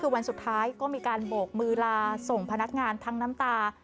คือวันสุดท้ายก็มีการโบกมือลาส่งพนักงานทั้งน้ำตา